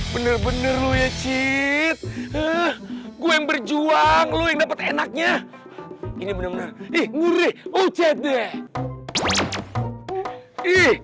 bener bener lu ya cid gue yang berjuang lu yang dapat enaknya ini bener bener ngureh